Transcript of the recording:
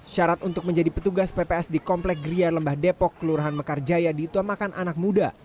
syarat untuk menjadi petugas pps di komplek gria lembah depok kelurahan mekarjaya dituamakan anak muda